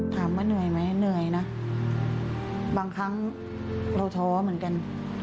ถามว่าเหนื่อยไหมเหนื่อยนะบางครั้งเราท้อเหมือนกัน